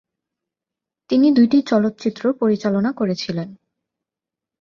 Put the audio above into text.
তিনি দুইটি চলচ্চিত্র পরিচালনা করেছিলেন।